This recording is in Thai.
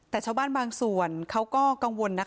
แต่ชาวบ้านบางส่วนเขาก็กังวล